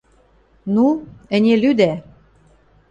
Ну, ӹне лӱдӓ!..